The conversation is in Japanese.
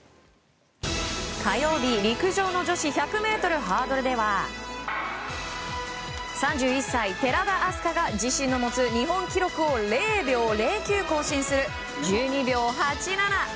火曜日、陸上の女子１００ｍハードルでは３１歳、寺田明日香が自身の持つ日本記録を０秒０９更新する１２秒８７！